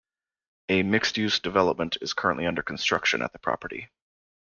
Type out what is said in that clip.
A mixed-use development is currently under construction at the property.